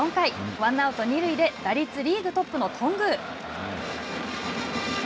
ワンアウト、二塁で打率リーグトップの頓宮。